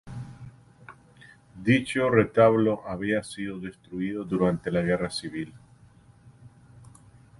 Dicho retablo había sido destruido durante la Guerra Civil.